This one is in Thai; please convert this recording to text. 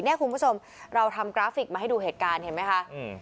คุณผู้ชมเราทำกราฟิกมาให้ดูเหตุการณ์เห็นไหมคะอืม